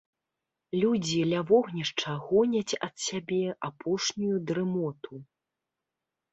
Людзі ля вогнішча гоняць ад сябе апошнюю дрымоту.